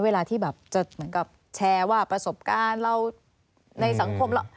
เวลาที่แบบจะแชร์ว่าประสบการณ์เราในสังคม